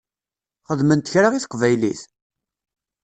Xedment kra i teqbaylit?